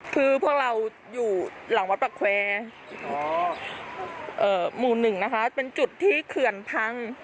คือพวกเราอยู่หลังวัดประแควร์หมู่๑นะคะเป็นจุดที่เขื่อนพัง